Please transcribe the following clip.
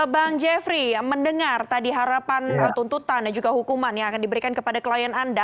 bang jeffrey mendengar tadi harapan tuntutan dan juga hukuman yang akan diberikan kepada klien anda